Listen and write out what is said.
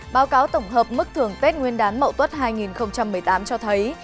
báo cáo tổng hợp mức thưởng tết nguyên đán mậu tuất hai nghìn một mươi tám cho thấy